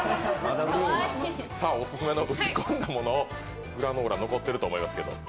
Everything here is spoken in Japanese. オススメの打ち込んだものを、グラノーラ残ってると思いますけど。